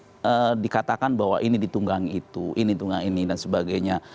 janganlah kemudian arus ini dikatakan bahwa ini ditunggang itu ini ditunggang ini dan sebagainya